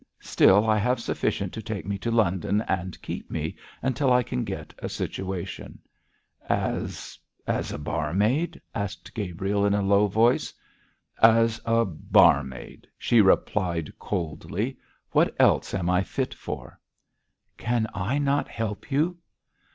Still, I have sufficient to take me to London and keep me until I can get a situation.' 'As as a barmaid?' asked Gabriel, in a low voice. 'As a barmaid,' she replied coldly. 'What else am I fit for?' 'Can I not help you?'